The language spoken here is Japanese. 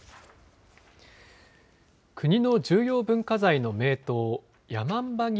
国の重要文化財の名刀、山姥